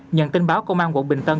nhận tin báo công an quận bình tân